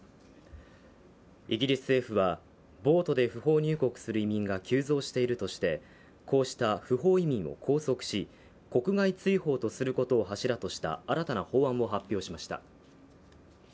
イギリス政府はボートで不法入国する移民が急増しているとしてこうした不法移民を拘束し、国外追放とすることを柱とした新たな法案を発表しました。